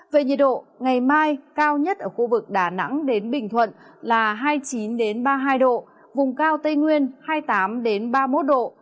về nhiệt độ ngày mai cao nhất ở khu vực đà nẵng đến bình thuận là hai mươi chín ba mươi hai độ vùng cao tây nguyên hai mươi tám ba mươi một độ